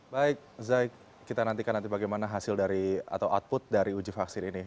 baik zai kita nantikan nanti bagaimana hasil dari atau output dari uji vaksin ini